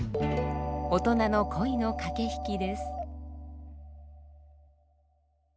大人の恋の駆け引きです。